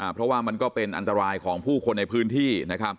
เพราะว่ามันก็เป็นอันตรายของผู้คนในพื้นที่